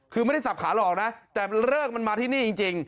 คือไม่ได้สับขาหรอกนะแต่เลิกมันมาที่นี่จริง